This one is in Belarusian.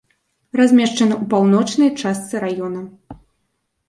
Размешчана ў паўночнай частцы раёна.